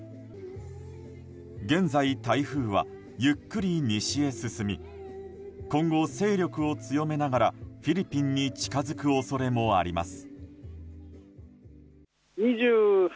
現在、台風はゆっくり西へ進み今後、勢力を強めながらフィリピンに近づく恐れもあります。